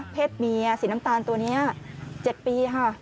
เพศเมียสีน้ำตาลตัวนี้๗ปีค่ะ